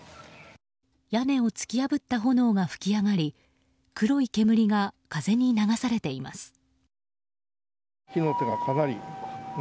屋根を突き破った炎が噴き上がり黒い煙が風に流されています。